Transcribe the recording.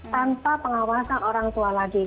tanpa pengawasan orang tua lagi